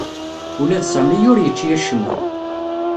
Ula d Sami ur yečči acemma.